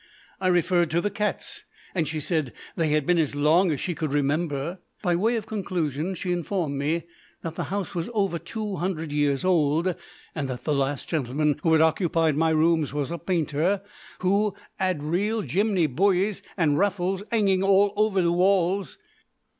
I referred to the cats, and she said they had been as long as she could remember. By way of conclusion, she informed me that the house was over two hundred years old, and that the last gentleman who had occupied my rooms was a painter who "'ad real Jimmy Bueys and Raffles 'anging all hover the walls".